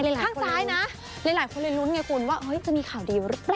ข้างซ้ายนะหลายคนเลยลุ้นไงคุณว่าจะมีข่าวดีหรือเปล่า